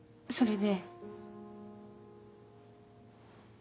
それで。